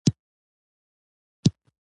د هغه ځواب د یوه زبرځواک ایتلاف